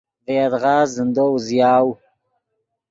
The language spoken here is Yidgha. ڤے یدغا زندو اوزیاؤ.